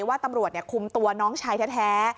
ว่าตำรวจคุมตัวน้องชายแท้